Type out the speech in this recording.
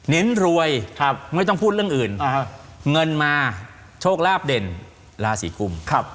เน้นรวยไม่ต้องพูดเรื่องอื่นเงินมาโชคลาภเด่นราศีกุม